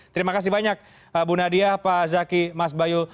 terima kasih banyak bu nadia pak zaki mas bayu